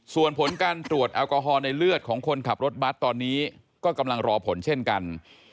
ส่วนผลการตรวจแอลกอฮอล์ในเลือดของคนขับรถบัตรตอนนี้ก็กำลังรอผลเช่นกัน